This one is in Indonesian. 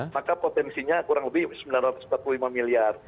maka potensinya kurang lebih sembilan ratus empat puluh lima miliar